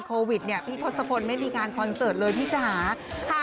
คุณข้านี่แหละค่ะ